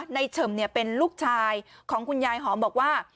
เฉิมเป็นลูกชายของคุณยายหอมบอกว่า